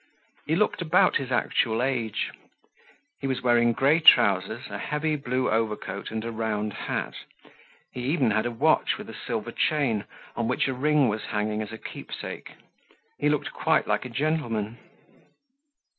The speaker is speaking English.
He looked about his actual age. He was wearing grey trousers, a heavy blue overcoat, and a round hat. He even had a watch with a silver chain on which a ring was hanging as a keepsake. He looked quite like a gentleman.